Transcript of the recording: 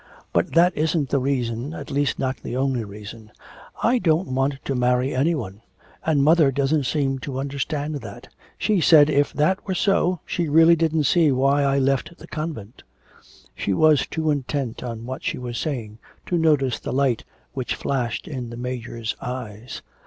But that isn't the reason, at least not the only reason. I don't want to marry any one, and mother doesn't seem to understand that. She said if that were so, she really didn't see why I left the convent.' She was too intent on what she was saying to notice the light which flashed in the Major's eyes.